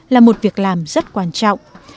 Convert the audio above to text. là một việc làm rất quan trọng